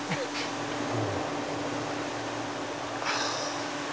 ああ。